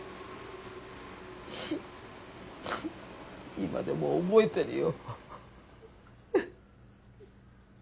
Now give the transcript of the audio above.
今でも覚えてるよ。